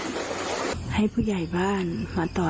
แล้วก็ให้น้ำจากบ้านเขาลงคลอมผ่านที่สุดท้าย